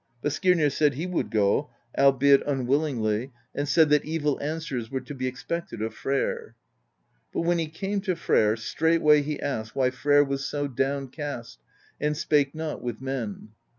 But Skirnir said he would go, albeit unwill THE BEGUILING OF GYLFI 49 ingly; and said that evil answers were to be expected of Freyr. " But when he came to Freyr, straightway he asked why Freyr was so downcast, and spake not with men.